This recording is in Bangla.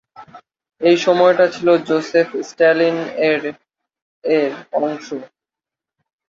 এই সময়টা ছিলো জোসেফ স্ট্যালিন এর এর অংশ।